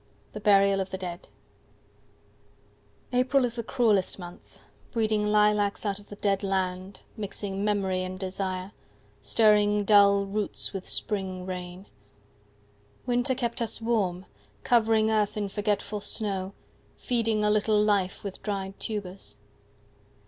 THE BURIAL OF THE DEAD APRIL is the cruellest month, breeding Lilacs out of the dead land, mixing Memory and desire, stirring Dull roots with spring rain. Winter kept us warm, covering 5 Earth in forgetful snow, feeding A little life with dried tubers.